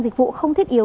dịch vụ không thiết yếu